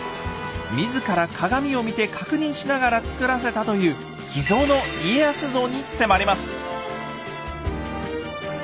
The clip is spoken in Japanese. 自ら鏡を見て確認しながら造らせたという秘蔵の家康像に迫ります。